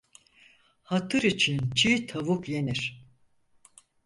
Hatır için çiğ tavuk yenir.